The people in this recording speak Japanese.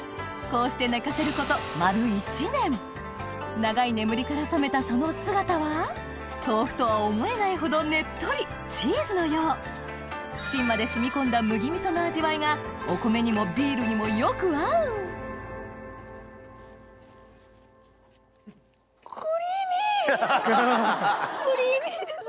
こうして長い眠りから覚めたその姿は豆腐とは思えないほどねっとりチーズのようしんまで染み込んだ麦味噌の味わいがお米にもビールにもよく合うクリーミーです